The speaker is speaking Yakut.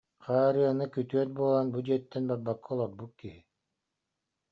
Хаарыаны, күтүөт буолан, бу дьиэттэн барбакка олорбут киһи